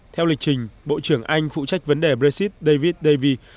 theo lịch trình bộ trưởng anh phụ trách vấn đề brexit david davi